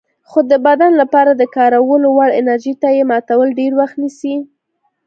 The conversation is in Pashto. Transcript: خو د بدن لپاره د کارولو وړ انرژي ته یې ماتول ډېر وخت نیسي.